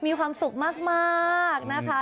มีความสุขมากนะคะ